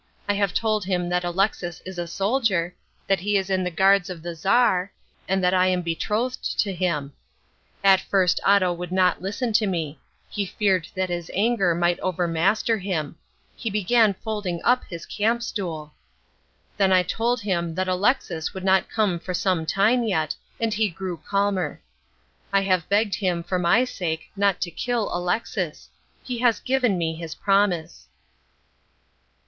I have told him that Alexis is a soldier, that he is in the Guards of the Czar, and that I am betrothed to him. At first Otto would not listen to me. He feared that his anger might overmaster him. He began folding up his camp stool. Then I told him that Alexis would not come for some time yet, and he grew calmer. I have begged him for my sake not to kill Alexis. He has given me his promise.